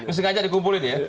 bersengaja dikumpulin ya